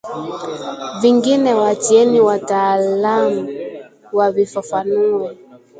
Vingine waachieni wataalam wavifafanue